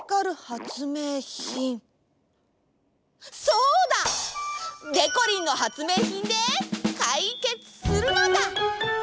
そうだ！でこりんのはつめいひんでかいけつするのだ！